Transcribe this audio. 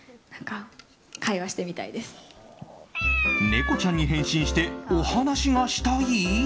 猫ちゃんに変身してお話がしたい？